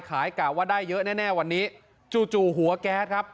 กะว่าได้เยอะแน่วันนี้จู่จู่หัวแก๊สครับ